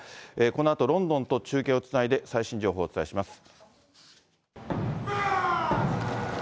このあと、ロンドンと中継をつないで、最新情報をお伝えします。